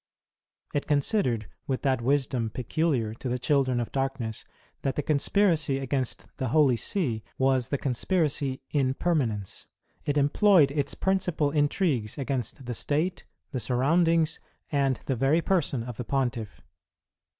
It considered, with that wisdom peculiar to the children of darkness, that the conspiracy against the Holy See was the conspiracy in permanence. It employed its principal intrigues against the State, the surroundings, and the very person of the Pontifi".